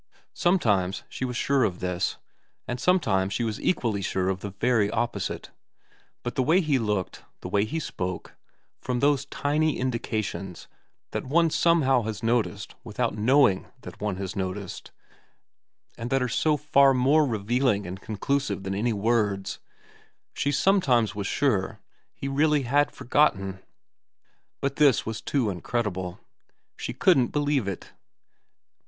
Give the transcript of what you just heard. Sometimes she was sure of this, and sometimes she was equally sure of the very opposite. From the way he looked, the way he spoke, from those tiny indications that one somehow has noticed without knowing that one has noticed and that are so far more revealing and conclusive than any words, she sometimes was sure he really had forgotten. But this was too incredible. She couldn't believe it.